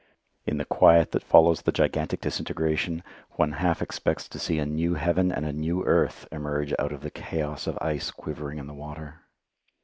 In the quiet that follows the gigantic disintegration one half expects to see a new heaven and a new earth emerge out of the chaos of ice quivering in the water.